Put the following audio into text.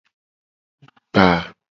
Gba.